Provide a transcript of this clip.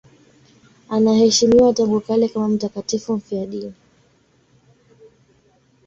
Anaheshimiwa tangu kale kama mtakatifu mfiadini.